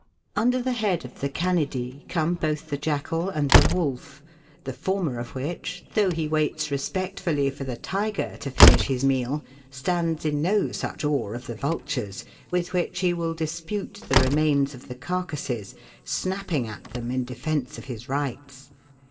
Under the head of the Canida come both the Jackal and the Wolf, the former of which (Fig. 51), though he waits respectfully for the tiger to finish his meal, stands in no such awe of the vultures, with which he will dispute the remains of the carcases, snapping at them in defence of his rights.